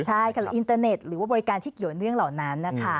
ใช่อินเตอร์เน็ตหรือว่าบริการที่เกี่ยวเรื่องเหล่านั้น